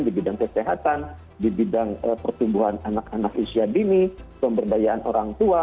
di bidang kesehatan di bidang pertumbuhan anak anak usia dini pemberdayaan orang tua